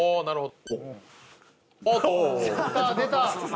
なるほど。